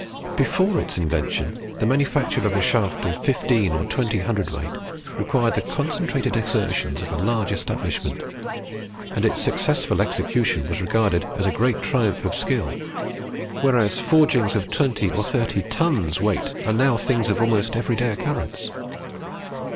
Before its invention the manufacture of a shaft of 15 or 20 cwt. required the concentrated exertions of a large establishment, and its successful execution was regarded as a great triumph of skill; whereas forgings of 20 and 30 tons weight are now things of almost every day occurrence.